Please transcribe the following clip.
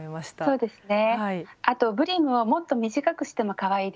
そうですね